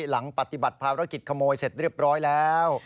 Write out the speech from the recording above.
หลังปฏิบัติภารกิจขโมยเสร็จเรียบร้อยแล้ว